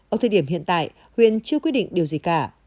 ở thời điểm hiện tại huyện chưa quy định điều gì cả